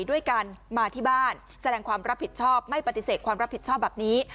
ด้วยการมาที่บ้านแสดงความรับผิดชอบไม่ปฏิเสธความรับผิดชอบแบบนี้